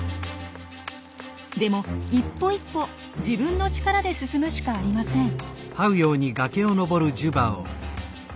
でも一歩一歩自分の力で進むしかありません。